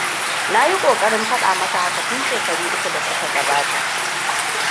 Naayi kokarin faɗa maka haka tun shekaru uku da suka gabata.